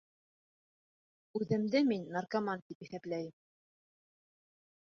Үҙемде мин наркоман тип иҫәпләйем.